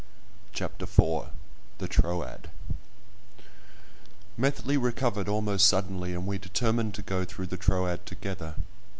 CHAPTER IV—THE TROAD Methley recovered almost suddenly, and we determined to go through the Troad together.